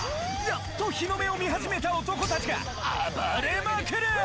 やっと日の目を見始めた男たちが暴れまくる！